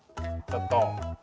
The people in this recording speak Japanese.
ちょっと！